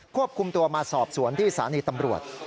ควบคุมตัวมาสอบสวนที่สถานีตำรวจ